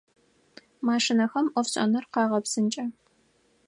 Машинэхэм ӏофшӏэныр къагъэпсынкӏэ.